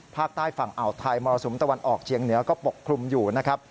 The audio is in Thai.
ภาคใต้ฝั่งอ่าวไทยมรสุมตะวันออกเชียงเหนือก็ปกคลุมอยู่นะครับ